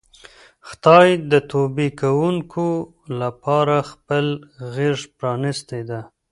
خدای د توبې کوونکو لپاره خپله غېږه پرانیستې ده.